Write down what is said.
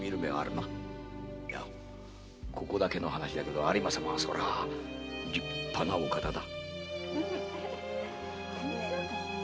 ここだけの話だけど有馬様はそりゃ立派なお方だ。